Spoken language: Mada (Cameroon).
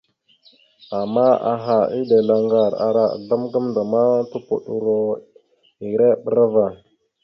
Ama aha, eɗel, aŋgar ara azzlam gamənda ma tupoɗoro ere bra ava.